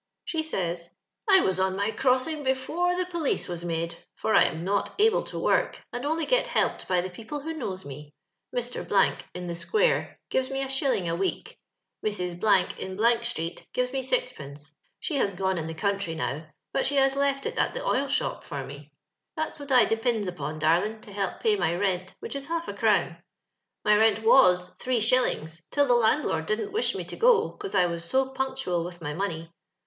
She says :—" I was on my crossing before the police was made, f«)r I am not able to work, and only get helped by the people who knows me. Mr. , in the square, gives me a shilling a week ; Mrs. , in street, gives me sixpence; (she has gone in the country now» but she has left it at the oil shop for mc>; that's what I depinds upon, darlin', to hely pay my rent, which is holf a crown. My rent was three shillings, till the landlord didn't wish me to go, 'cause I was so punctual with my money.